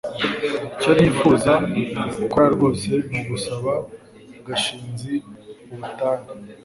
icyo nifuza gukora rwose ni ugusaba gashinzi ubutane